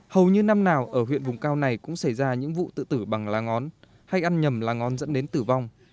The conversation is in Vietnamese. hầu như năm nào ở huyện vùng cao này cũng xảy ra những vụ tự tử bằng lá ngón hay ăn nhầm lá ngón dẫn đến tử vong